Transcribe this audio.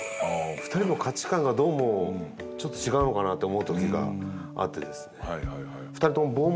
２人の価値観がどうもちょっと違うのかなって思う時があってですね。